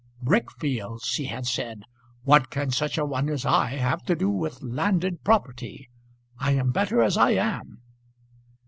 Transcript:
"Brick fields!" he had said. "What can such a one as I have to do with landed property? I am better as I am."